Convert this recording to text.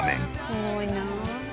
すごいな。